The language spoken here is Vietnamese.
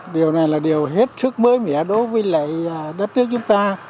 điều này là điều hết sức mới mẻ đối với lại đất nước chúng ta